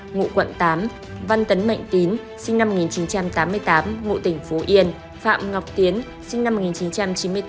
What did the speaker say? ngụ quận tám văn tấn mạnh tín sinh năm một nghìn chín trăm tám mươi tám ngụ tỉnh phú yên phạm ngọc tiến sinh năm một nghìn chín trăm chín mươi tám